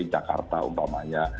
ktp jakarta umpamanya